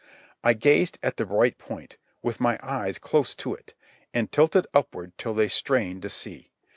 I gazed at the bright point, with my eyes close to it, and tilted upward till they strained to see.